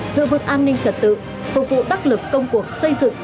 giữ vững an ninh trật tự phục vụ đắc lực công cuộc xây dựng